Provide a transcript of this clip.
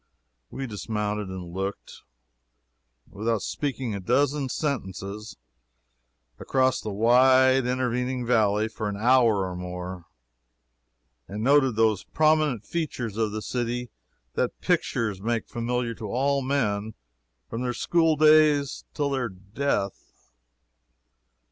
We dismounted and looked, without speaking a dozen sentences, across the wide intervening valley for an hour or more; and noted those prominent features of the city that pictures make familiar to all men from their school days till their death.